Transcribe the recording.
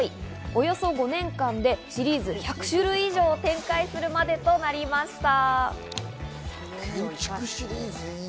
およそ５年間でシリーズ１００種類以上を展開するまでとなりました。